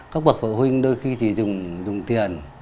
có bậc phụ huynh đôi khi chỉ dùng tiền